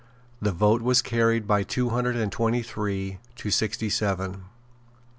The vote was carried by two hundred and twenty three to sixty seven.